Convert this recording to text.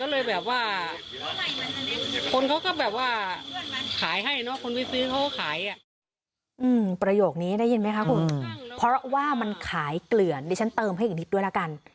เพราะว่ามันขายเกลือนดิฉันเติมให้อีกนิดด้วยละกัน